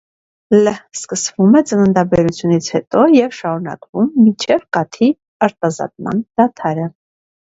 Լ. սկսվում է ծննդաբերությունից հետո և շարունակվում մինչև կաթի արտազատման դադարը։